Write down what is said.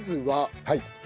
はい。